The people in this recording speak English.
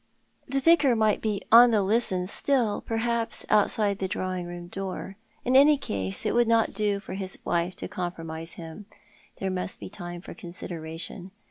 The Vicar might be " on the listen " still, perhaps, outside the drawing room door. In any case it would not do for his wife to compromise him. There must be time for consideration.